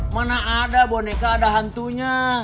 mana ada boneka ada hantunya